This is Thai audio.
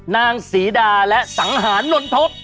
นางศรีดาและสังหารนนทบ